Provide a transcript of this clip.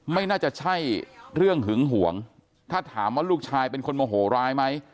ไม่น่าจะใช่เรื่องหึงห่วงถ้าถามว่าลูกชายเป็นคนโมโหร้ายไหม